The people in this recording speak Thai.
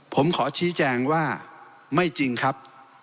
ผมขอชี้แจงว่าไม่จริงครับ